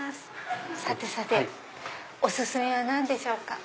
さてさてお薦めは何でしょうか？